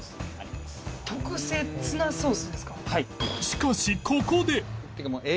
しかしここで